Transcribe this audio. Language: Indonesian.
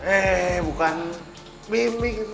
eh bukan bimbing